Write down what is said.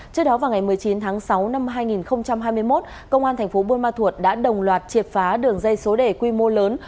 trước đó vào ngày một mươi chín tháng sáu năm hai nghìn hai mươi một công an thành phố buôn ma thuột đã đồng loạt triệt phá đường dây số đề quy mô lớn